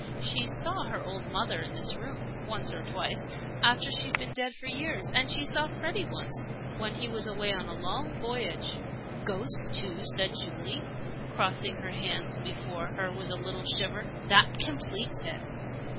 She saw her old mother, in this room, once or twice, after she had been dead for years. And she saw Freddie once, when he was away on a long voyage " "Ghosts, too!" said Julie, crossing her hands before her with a little shiver "that completes it."